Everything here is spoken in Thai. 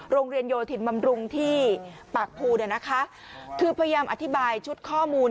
โรงเรียนโยธินบำรุงที่ปากภูร์คือพยายามอธิบายชุดข้อมูล